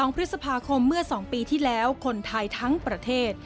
๒พฤษภาคมเมื่อ๒ปีที่แล้วคนไทยทั้งประเทศ